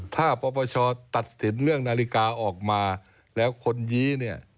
ถ้าปปชตัดสินเรื่องนาฬิกาออกมาแล้วคนนี้เนี่ย